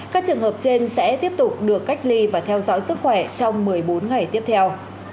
các trường hợp trên sẽ tiếp tục được cách ly và theo dõi sức khỏe trong một mươi bốn ngày tiếp theo